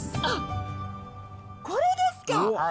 あっ、これですか？